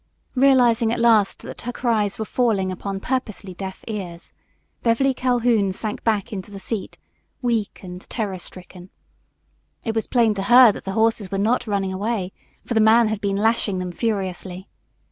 Realizing at last that her cries were falling upon purposely deaf ears, Beverly Calhoun sank back into the seat, weak and terror stricken. It was plain to her that the horses were not running away, for the man had been lashing them furiously.